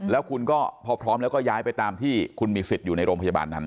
แล้วคุณก็พอพร้อมแล้วก็ย้ายไปตามที่คุณมีสิทธิ์อยู่ในโรงพยาบาลนั้น